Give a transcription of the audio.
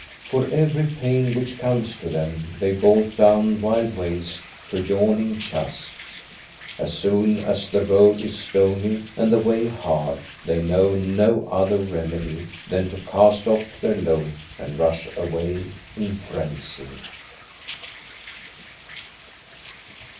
For every pain which comes to them they bolt down wild ways to yawning chasms. As soon as the road is stony and the way hard they know no other remedy than to cast off their load and rush away in frenzy.